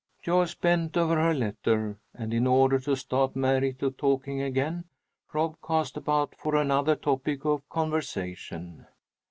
Joyce bent over her letter, and in order to start Mary to talking again, Rob cast about for another topic of conversation.